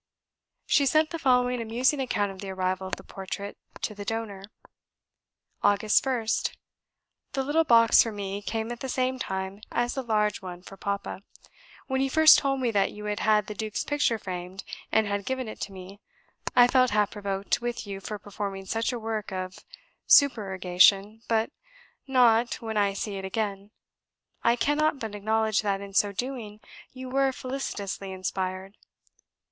She sent the following amusing account of the arrival of the portrait to the donor: "Aug. 1st. "The little box for me came at the same time as the large one for Papa. When you first told me that you had had the Duke's picture framed, and had given it to me, I felt half provoked with you for performing such a work of supererogation, but now, when I see it again, I cannot but acknowledge that, in so doing, you were felicitously inspired.